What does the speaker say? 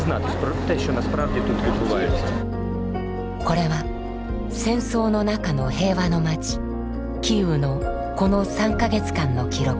これは戦争の中の平和の街キーウのこの３か月間の記録。